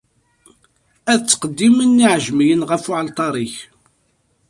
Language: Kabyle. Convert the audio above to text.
Ad ttqeddimen iɛejmiyen ɣef uɛalṭar-ik.